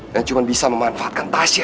yang cuma bisa memanfaatkan tasnya